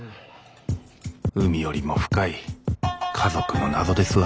海よりも深い家族の謎ですわ。